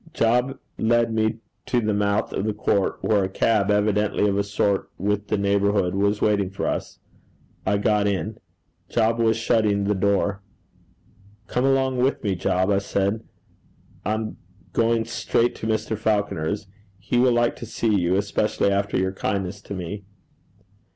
Job led me to the mouth of the court, where a cab, evidently of a sort with the neighbourhood, was waiting for us. I got in. Job was shutting the door. 'Come along with me, Job,' I said. 'I'm going straight to Mr. Falconer's. He will like to see you, especially after your kindness to me.'